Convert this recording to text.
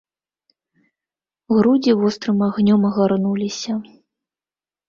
Грудзі вострым агнём агарнуліся.